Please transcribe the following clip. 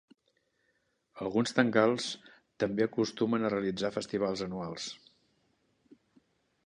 Alguns Thangals també acostumen a realitzar festivals anuals.